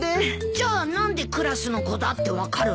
じゃあ何でクラスの子だって分かるんだ？